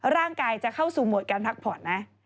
ร่างกายจะเข้าสู่โหมดการพักผ่อนนะ